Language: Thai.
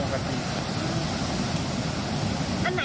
เราไปฟังเสียงหน่ายทำไทยกันค่ะ